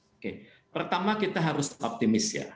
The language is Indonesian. oke pertama kita harus optimis ya